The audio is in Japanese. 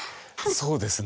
そうですね。